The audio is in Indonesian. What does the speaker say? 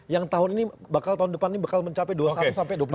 yang tahun ini bakal tahun depan ini bakal mencapai dua ratus sampai dua puluh lima juta